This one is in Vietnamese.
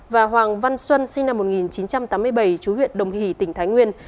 và hoàng văn xuân sinh năm một nghìn chín trăm tám mươi bảy chú huyện đồng hỷ tỉnh thái nguyên